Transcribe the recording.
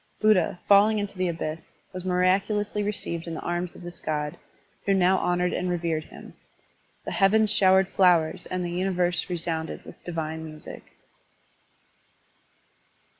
Buddha, falling into the abyss, was miraculously received in the arms of this god, who now honored and revered him. The heavens showered flowers and the universe resounded with divine music.